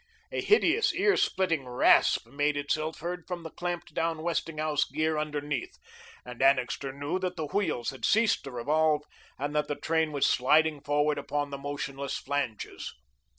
A hideous ear splitting rasp made itself heard from the clamped down Westinghouse gear underneath, and Annixter knew that the wheels had ceased to revolve and that the train was sliding forward upon the motionless flanges.